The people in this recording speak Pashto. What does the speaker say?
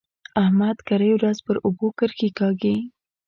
احمد کرۍ ورځ پر اوبو کرښې کاږي.